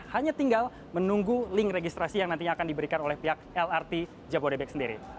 hanya tinggal menunggu link registrasi yang nantinya akan diberikan oleh pihak lrt jabodebek sendiri